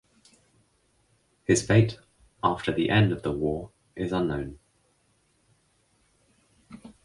His fate after the end of the war is unknown.